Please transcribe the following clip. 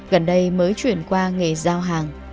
gần đây mới chuyển qua nghề giao hàng